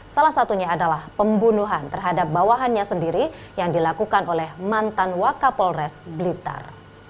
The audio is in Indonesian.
salah satunya adalah pembunuhan terhadap bawahannya sendiri yang dilakukan oleh mantan wakapolres blitar